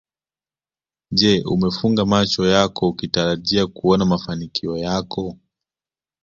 Je umefunga macho yako ukitarajia kuona mafanikio yako